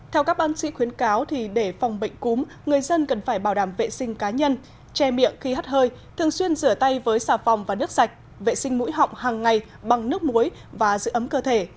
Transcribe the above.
theo các bác sĩ khuyến cáo để phòng bệnh cúm người dân cần phải bảo đảm vệ sinh cá nhân che miệng khi hắt hơi thường xuyên rửa tay với xà phòng và nước sạch vệ sinh mũi họng hàng ngày bằng nước muối và giữ ấm cơ thể